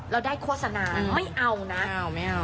แล้วได้โฆษณาไม่เอานะเอาไม่เอา